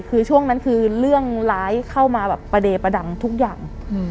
คือช่วงนั้นคือเรื่องร้ายเข้ามาแบบประเดประดังทุกอย่าง